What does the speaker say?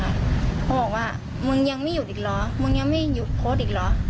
เขาบอกว่ามึงยังไม่หยุดอีกเหรอมึงยังไม่หยุดโพสต์อีกเหรอ